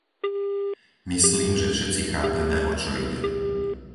Myslím, že všetci chápeme, o čo ide.